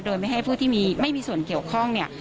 โดยไม่ให้ผู้ที่ไม่มีส่วนเกี่ยวข้องเนี่ย